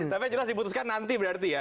tapi yang jelas diputuskan nanti berarti ya